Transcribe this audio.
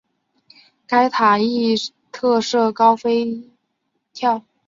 该塔亦特设高飞跳。